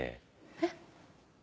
えっ？